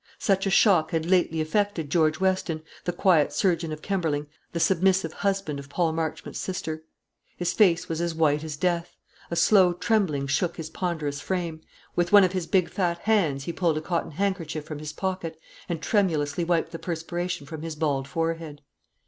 Such a shock had lately affected George Weston, the quiet surgeon of Kemberling, the submissive husband of Paul Marchmont's sister. His face was as white as death; a slow trembling shook his ponderous frame; with one of his big fat hands he pulled a cotton handkerchief from his pocket, and tremulously wiped the perspiration from his bald forehead.